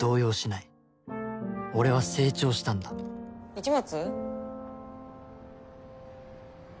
・市松？